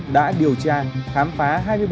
đã điều tra khám phá